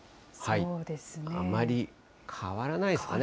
あまり変わらないですかね。